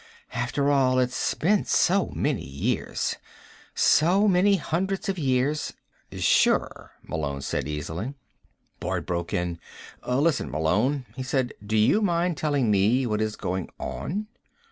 After all, it's been so many years so many hundreds of years " "Sure," Malone said easily. Boyd broke in. "Listen, Malone," he said, "do you mind telling me what is going on?"